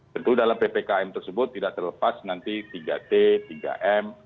tentu dalam ppkm tersebut tidak terlepas nanti tiga t tiga m